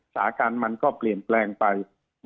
สาการมันก็เปลี่ยนแปลงไป